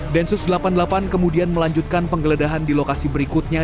densus delapan puluh delapan kemudian melanjutkan penggeledahan di lokasi berikutnya